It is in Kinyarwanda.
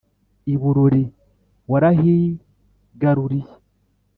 i burori warahigaruriye